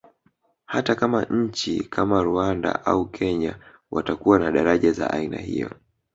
Hata kama nchi kama Rwanda au Kenya watakuwa na daraja za aina hiyo